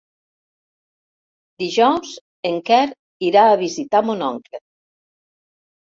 Dijous en Quer irà a visitar mon oncle.